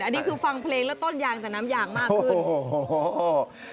อันนี้คือฟังเพลงแล้วต้นยางจะน้ำยางมากขึ้นโอ้โห